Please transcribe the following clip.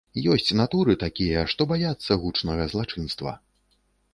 Ёсць натуры такія, што баяцца гучнага злачынства.